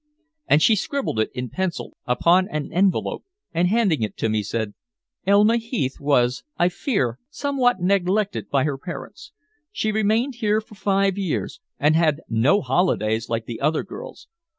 '" And she scribbled it in pencil upon an envelope, and handing it to me, said: "Elma Heath was, I fear, somewhat neglected by her parents. She remained here for five years, and had no holidays like the other girls.